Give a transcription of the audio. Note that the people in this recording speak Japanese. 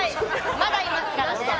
まだいますからね。